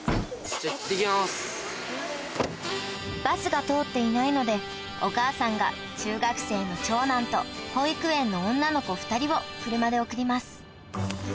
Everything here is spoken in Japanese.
バスが通っていないのでお母さんが中学生の長男と保育園の女の子２人を車で送ります